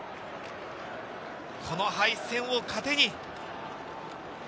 この敗戦を糧に。